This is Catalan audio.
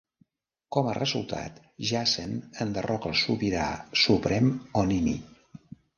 Com a resultat, Jacen enderroca el Sobirà Suprem Onimi.